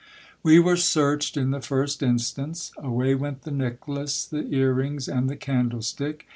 We were searched in the first instance. Away went the necklace, the ear rings, and the candlestick.